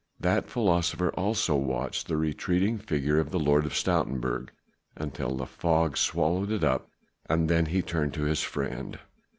That philosopher also watched the retreating figure of the Lord of Stoutenburg until the fog swallowed it up, then he turned to his friend.